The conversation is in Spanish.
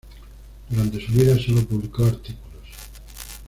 Durante su vida sólo publicó artículos.